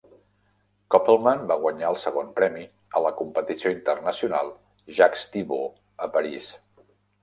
Kopelman va guanyar el segon premi a la competició internacional Jacques Thibaud a París.